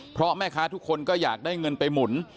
เพราะแม่ค้าทุกคนก็อยากได้เงินไปหมุน